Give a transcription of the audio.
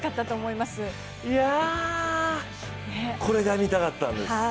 いや、これが見たかったんです。